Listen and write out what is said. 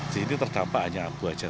jadi ini terdampak hanya abu saja